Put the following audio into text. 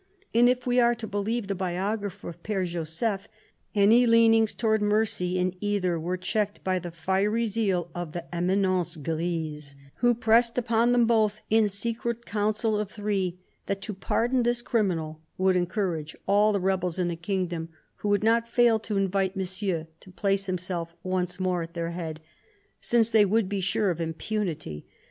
And if we are to believe the biographer of P^re Joseph, any leanings towards mercy in either were checked by the fiery zeal of the " Eminence grise," who pressed upon them both, in secret council of three, that "to pardon this criminal would encourage all the rebels in the kingdom, who would not fail to invite Monsieur to place himself once more at their head, since they would be sure of impunity